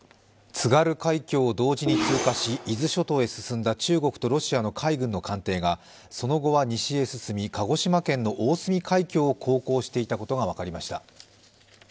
津軽海峡を同時に通過し、伊豆諸島へ進んだ中国とロシアの海軍の艦艇がその後は西へ進み鹿児島県の大隅海峡を航行していたことが分かりました。